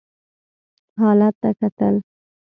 حالت ته کتل.